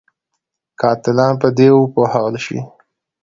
قاتلان په دې وپوهول شي.